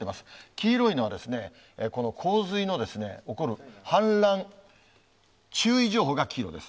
黄色いのは、この洪水の起こる、氾濫注意情報が黄色です。